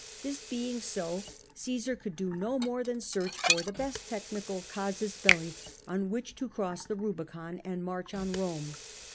This being so, Omsar could do no more than search for tlie best tech nical casus Mli on which to cross the Kiibicon and marcli on Eome.